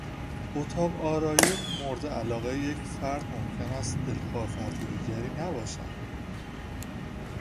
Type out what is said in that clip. اتاق آرایی مورد علاقهی یک فرد ممکن است دلخواه فرد دیگری نباشد.